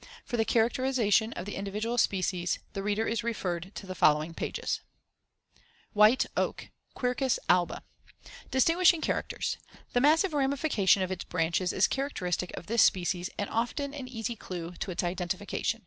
For the characterization of the individual species, the reader is referred to the following pages. [Illustration: FIG. 57. Leaf and Fruit of White Oak. (Quercus alba.)] WHITE OAK (Quercus alba) Distinguishing characters: The massive ramification of its branches is characteristic of this species and often an easy clue to its identification.